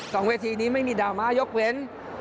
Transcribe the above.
เวทีนี้ไม่มีดราม่ายกเว้น